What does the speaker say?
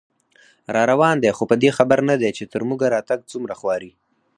راروان دی خو په دې خبر نه دی، چې تر موږه راتګ څومره خواري